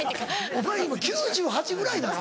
お前今９８ぐらいなの？